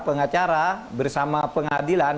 pengacara bersama pengadilan